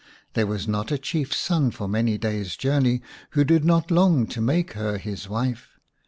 There was not a Chiefs son for many days' journey who did not long to make her his wife.